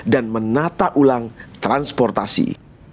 dan menata ulang transportasi